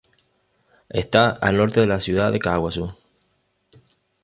Está al norte de la ciudad de Caaguazú.